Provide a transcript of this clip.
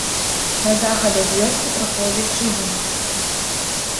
На захад ад вёскі праходзіць чыгунка.